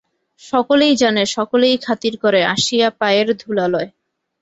সকলেই জানে, সকলেই খাতির করে, আসিয়া পায়ের ধূলা লয়।